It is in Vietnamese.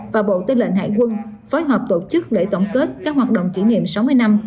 và bộ tư lệnh hải quân phối hợp tổ chức lễ tổng kết các hoạt động kỷ niệm sáu mươi năm